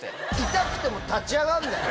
痛くても立ち上がるんだよ。